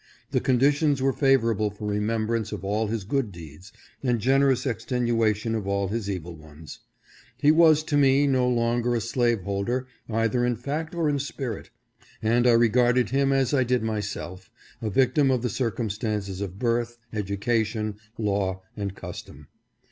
The con ditions were favorable for remembrance of all his good deeds, and generous extenuation of all his evil ones. He was to me no longer a slaveholder either in fact or in spirit, and I regarded him as I did myself, a victim of the circumstances of birth, education, law, and custom.